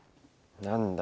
何だ？